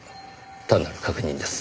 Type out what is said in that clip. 単なる確認です。